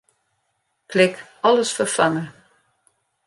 Klik Alles ferfange.